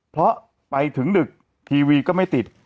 เพราะไปถึงดึกทีวีก็ไม่ติด